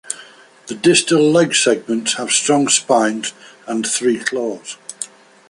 The distal leg segments have strong spines and three claws.